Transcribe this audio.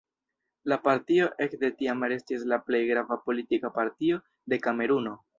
La partio ekde tiam restis la plej grava politika partio de Kameruno.